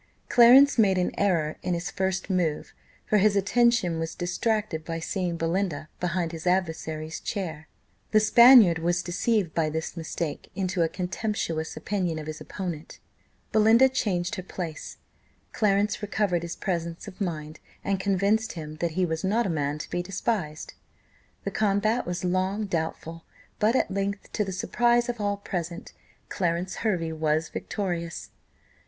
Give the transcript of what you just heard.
Clarence made an error in his first move, for his attention was distracted by seeing Belinda behind his adversary's chair. The Spaniard was deceived by this mistake into a contemptuous opinion of his opponent Belinda changed her place Clarence recovered his presence of mind, and convinced him that he was not a man to be despised. The combat was long doubtful, but at length to the surprise of all present, Clarence Hervey was victorious.